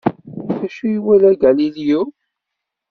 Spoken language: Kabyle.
D acu ay iwala Galileo?